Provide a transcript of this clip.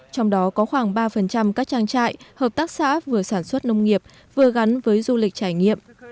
trong đó có khoảng ba các trang trại hợp tác xã vừa sản xuất nông nghiệp vừa gắn với du lịch trải nghiệm